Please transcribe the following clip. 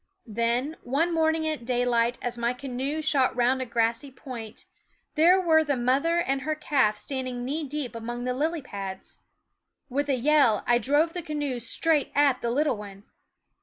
Then, one morning at daylight as my canoe shot round a grassy point, there were the mother and her calf standing knee deep among the lily pads. With a yell I drove the canoe straight at the little one.